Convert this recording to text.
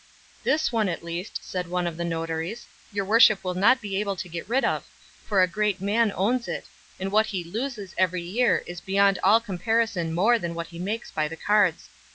"This one at least," said one of the notaries, "your worship will not be able to get rid of, for a great man owns it, and what he loses every year is beyond all comparison more than what he makes by the cards.